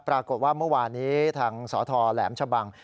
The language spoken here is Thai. ปรากฏว่าเมื่อวานี้ทางสทแหลมชะบัง